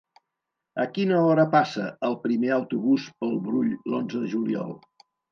A quina hora passa el primer autobús per el Brull l'onze de juliol?